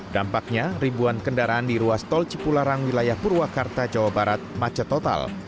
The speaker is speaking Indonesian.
dampaknya ribuan kendaraan di ruas tol cipularang wilayah purwakarta jawa barat macet total